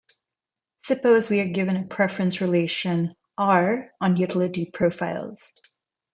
Suppose we are given a preference relation "R" on utility profiles.